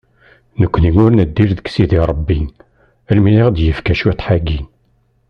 Nekkni ur neddir deg Sidi Rebbi almi i aɣ-d-yefka cwiṭeḥ-agi.